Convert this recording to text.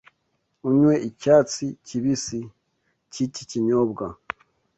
unywe icyatsi kibisi cyiki kinyobwa